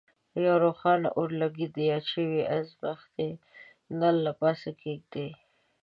یو روښانه اورلګیت د یاد شوي ازمیښتي نل له پاسه کیږدئ.